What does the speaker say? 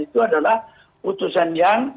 itu adalah putusan yang